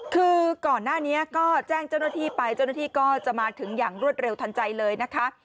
คือก่อนหน้านี้ก็แจ้งเจ้าหน้าที่ไปเจ้าหน้าที่ก็จะมาถึงอย่างรวดเร็วทันใจเลยนะคะ